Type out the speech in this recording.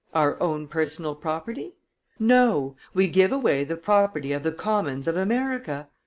Our own personal property? No; we give away the property of the Commons of America.